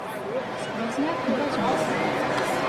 Сквозняк невозможный.